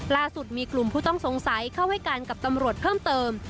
ล่าสุดมีกลุ่มผู้ต้องสงสัยเข้าให้การกับตำรวจเพิ่มเติม